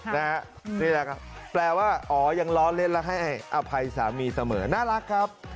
นี่แหละครับแปลว่าอ๋อยังล้อเล่นและให้อภัยสามีเสมอน่ารักครับ